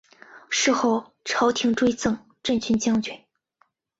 事后朝廷追赠镇军将军。